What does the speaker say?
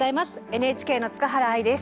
ＮＨＫの塚原愛です。